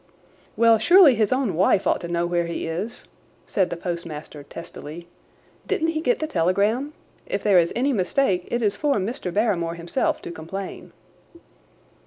"Well, surely his own wife ought to know where he is," said the postmaster testily. "Didn't he get the telegram? If there is any mistake it is for Mr. Barrymore himself to complain."